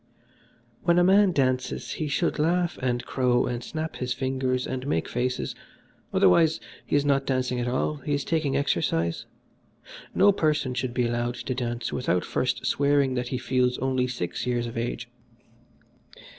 "When a man dances he should laugh and crow and snap his fingers and make faces; otherwise, he is not dancing at all, he is taking exercise. No person should be allowed to dance without first swearing that he feels only six years of age.